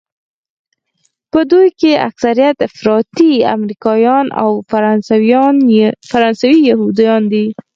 په دوی کې اکثریت افراطي امریکایان او فرانسوي یهودیان دي.